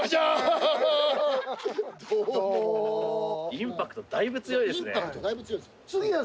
インパクトだいぶ強いです。